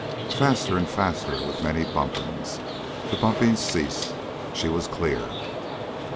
Faster and faster, with many bumpings. The bumpings ceased. She was clear.